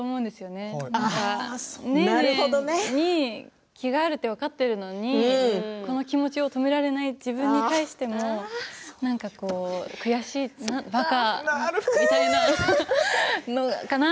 ネーネーに気があるって分かっているのにこの気持ちを止められない自分に対しての悔しさ、バカみたいな。